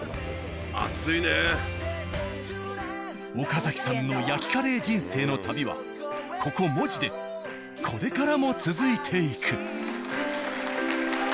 岡嵜さんの焼きカレー人生の旅はここ門司でこれからも続いていく。